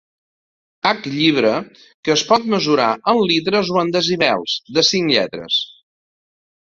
H Llibre que es pot mesurar en litres o en decibels, de cinc lletres.